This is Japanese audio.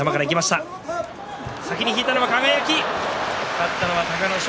勝ったのは隆の勝。